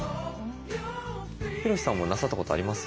ヒロシさんもなさったことあります？